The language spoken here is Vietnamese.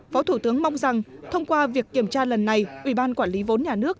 phó thủ tướng mong rằng thông qua việc kiểm tra lần này ủy ban quản lý vốn nhà nước